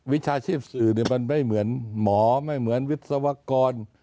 วิชาชีพสื่อมันไม่เหมือนหมอไม่เหมือนวิศวกร